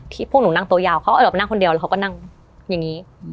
พวกหนูนั่งตัวยาวเขาแบบนั่งคนเดียวแล้วเขาก็นั่งอย่างนี้